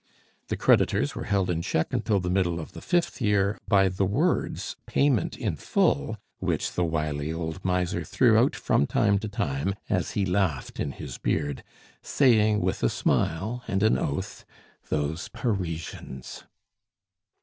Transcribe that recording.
The creditors were held in check until the middle of the fifth year by the words, "payment in full," which the wily old miser threw out from time to time as he laughed in his beard, saying with a smile and an oath, "Those Parisians!"